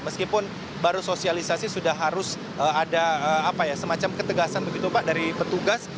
meskipun baru sosialisasi sudah harus ada semacam ketegasan begitu pak dari petugas